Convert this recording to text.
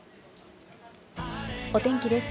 お天気です。